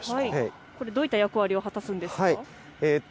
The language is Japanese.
どういった役割を果たすんですか。